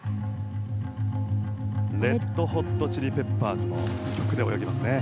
レッド・ホット・チリ・ペッパーズの曲で泳ぎます。